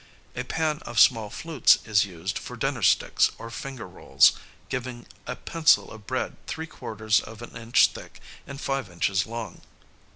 A pan of small flutes is used for dinner sticks or finger rolls, giving a pencil of bread three quarters of an inch thick and five inches long.